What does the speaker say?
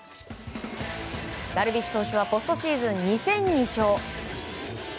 ダルビッシュ投手はポストシーズン２戦２勝。